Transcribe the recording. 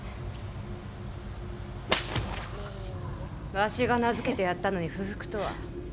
わしが名付けてやったのに不服とは。